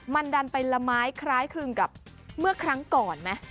มันดันไปละไม้คล้ายคลึงกับเมื่อครั้งก่อนไหม